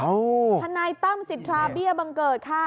อ้าวท่านนายต้ำสิทธาเบี้ยบังเกิดค่ะ